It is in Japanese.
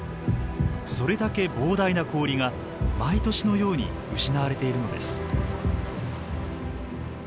それだけ膨大な氷が毎年のように失われているのです。